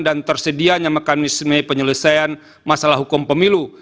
dan tersedia yang mekanisme penyelesaian masalah hukum pemilu